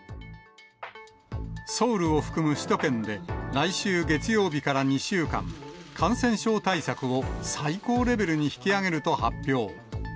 ソウルを含む首都圏で、来週月曜日から２週間、感染症対策を最高レベルに引き上げると発表。